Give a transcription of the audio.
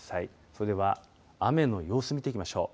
それでは雨の様子見ていきましょう。